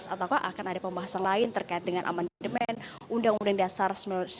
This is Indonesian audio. ataukah akan ada pembahasan lain terkait dengan amandemen undang undang dasar seribu sembilan ratus empat puluh lima